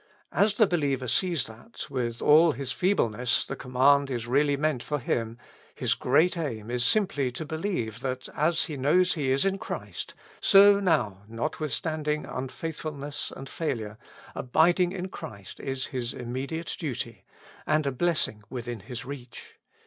As the believer sees that, with all his feebleness, the command is really meant for him, his great aim is simply to believe that, as he knows he is in Christ, so now, notwithstanding un faithfulness and failure, abiding in Christ is his imme diate duty, and a blessing within his reach.